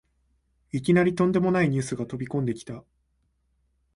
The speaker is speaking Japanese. いきなりとんでもないニュースが飛びこんできた